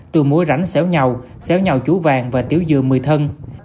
từ mũi rảnh xéo nhầu xéo nhầu chú vàng và tiểu dừa mười thân